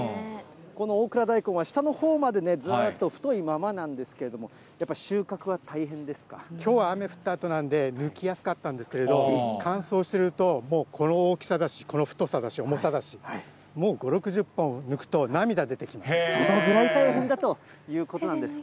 この大蔵大根は下のほうまで、ずっと太いままなんですけれども、きょうは雨降ったあとなんで、抜きやすかったんですけれども、乾燥してると、もうこの大きさだし、この太さだし、重さだし、もう５、６０本、抜くと、涙出てそのぐらい大変だということなんです。